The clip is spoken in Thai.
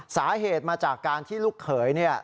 สาเหตุมาจากการที่ลูกเขย